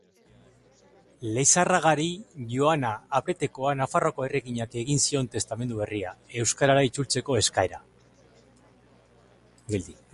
Leizarragari Joana Abretekoa Nafarroako erreginak egin zion testamentu berria euskarara itzultzeko eskaera.